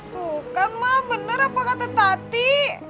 tuh kan mah bener apa kata tati